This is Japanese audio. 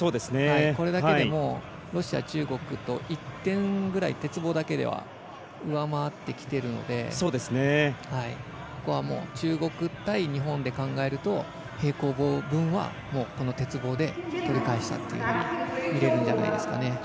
これだけでもうロシア、中国と１点ぐらい鉄棒だけでは上回ってきているのでここは中国対日本で考えると平行棒分はもうこの鉄棒で取り返したというふうにみれるんじゃないですかね。